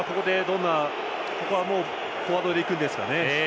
ここはフォワードで行くんですかね。